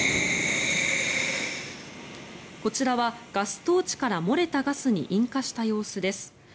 こちらはガストーチから漏れたガスに引火した様子です。